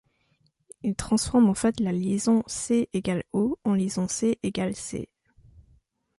Il transforme en fait la liaison C=O en liaison C=C.